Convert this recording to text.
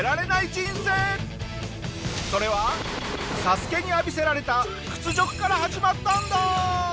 それは『ＳＡＳＵＫＥ』に浴びせられた屈辱から始まったんだ！